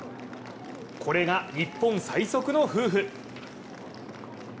これが日本最速の夫婦。